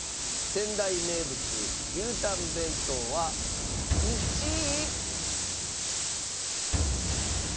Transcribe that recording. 仙台名物牛たん弁当は１位。